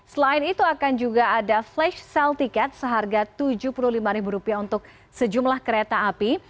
selain itu akan juga ada flash sale tiket seharga rp tujuh puluh lima untuk sejumlah kereta api